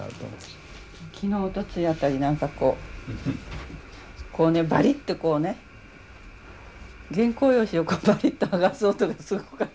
昨日おとつい辺りなんかこうこうねバリッとこうね原稿用紙をバリッとはがす音がすごかった。